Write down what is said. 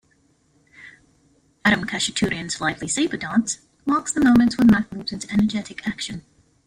Aram Khachaturian's lively "Sabre Dance" marks the moments when Mac moves into energetic action.